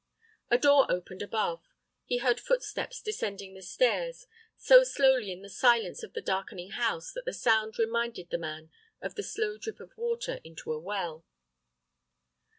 A door opened above. He heard footsteps descending the stairs, so slowly in the silence of the darkening house, that the sound reminded the man of the slow drip of water into a well.